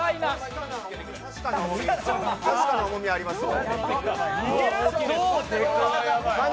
確かに重みがありますね。